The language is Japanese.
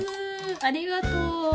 ありがとう。